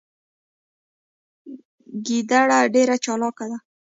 ګیدړه ډیره چالاکه ده